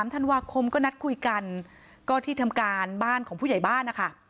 ธันวาคมก็นัดคุยกันก็ที่ทำการบ้านของผู้ใหญ่บ้านนะคะ